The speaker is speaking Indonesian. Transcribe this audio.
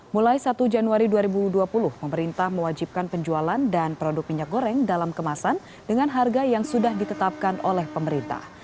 mulai satu januari dua ribu dua puluh pemerintah mewajibkan penjualan dan produk minyak goreng dalam kemasan dengan harga yang sudah ditetapkan oleh pemerintah